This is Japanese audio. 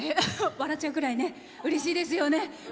笑っちゃうくらいうれしいですよね。